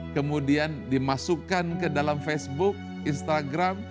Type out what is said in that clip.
kemudian dimasukkan ke dalam facebook instagram